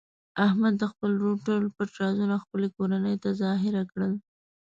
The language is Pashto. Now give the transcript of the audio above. احمد د خپل ورور ټول پټ رازونه خپلې کورنۍ ته ظاهره کړل.